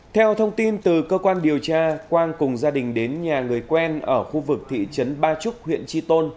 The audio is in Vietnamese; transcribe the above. theo thông tin từ cơ quan điều tra quang cùng gia đình đến nhà người quen ở khu vực thị trấn ba trúc huyện tri tôn